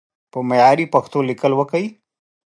په معياري پښتو ليکل وکړئ!